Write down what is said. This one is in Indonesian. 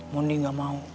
mundi gak mau